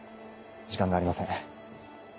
時間がありません。